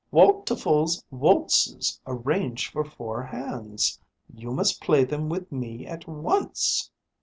"Waldteufel's waltzes arranged for four hands. You must play them with me at once."